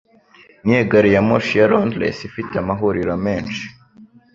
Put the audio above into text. Niyihe Gariyamoshi ya Londres Ifite Amahuriro menshi?